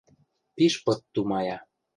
Пиш пыт тумая.